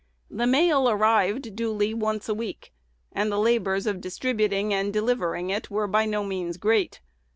The mail arrived duly once a week; and the labors of distributing and delivering it were by no means great.